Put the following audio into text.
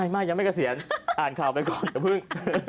ไม่ยังไม่เกษียณอ่านข่าวไปก่อนอย่าเพิ่ง